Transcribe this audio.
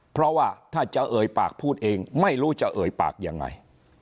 เพราะว่าถ้าจะเอ่ยปากพูดเองไม่รู้จะเอ่ยปากยังไง